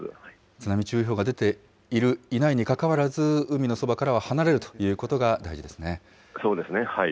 津波注意報が出ているいないに関わらず、海のそばからは離れそうですね。